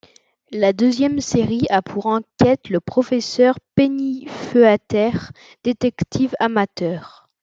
La deuxième série a pour enquêteur le professeur Pennyfeather, détective amateur.